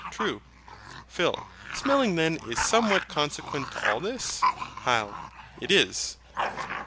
True. PHIL. Smelling then is somewhat consequent to all this? HYL. It is.